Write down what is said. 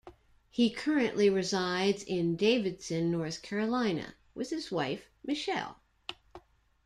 He currently resides in Davidson, North Carolina with his wife Michelle.